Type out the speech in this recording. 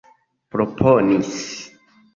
proponis